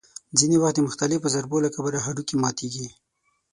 ځینې وخت د مختلفو ضربو له کبله هډوکي ماتېږي.